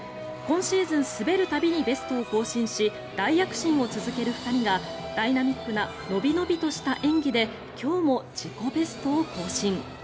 今シーズン滑る度にベストを更新し大躍進を続ける２人がダイナミックなのびのびとした演技で今日も自己ベストを更新。